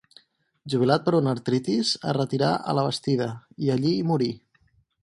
Jubilat per una artritis, es retirà a Labastida, i allí hi morí.